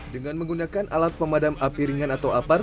dengan menggunakan alat pemadam api ringan atau apar